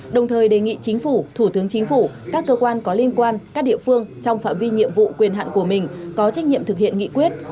đồng thời đề nghị chính phủ thủ tướng chính phủ các cơ quan có liên quan các địa phương trong phạm vi nhiệm vụ quyền hạn của mình có trách nhiệm thực hiện nghị quyết